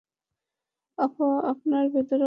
আপনার ভেতরেও আছে।